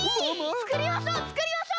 つくりましょうつくりましょう！